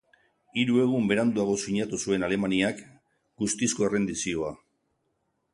Hiru egun beranduago sinatu zuen Alemaniak guztizko errendizioa.